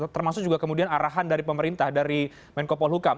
termasuk juga kemudian arahan dari pemerintah dari menko polhukam